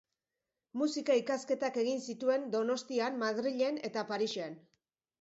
Musika ikasketak egin zituen Donostian, Madrilen eta Parisen.